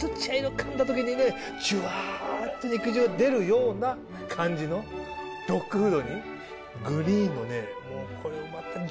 かんだ時にね。って肉汁が出るような感じのドッグフードにグリーンのねこれもまた。